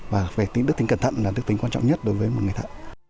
và đức tính cẩn thận là đức tính quan trọng nhất đối với người thợ